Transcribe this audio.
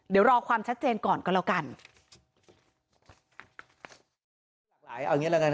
เดี๋ยวรอความชัดเจนก่อนก็แล้วกัน